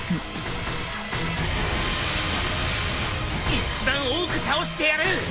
一番多く倒してやる！